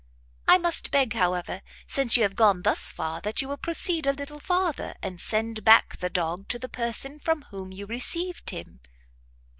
I must beg, however, since you have gone thus far, that you will proceed a little farther, and send back the dog to the person from whom you received him."